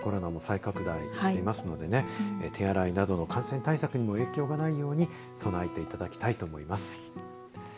新型コロナも再拡大していますので手洗いなどの感染対策にも影響がないように備えていただきたいと思います。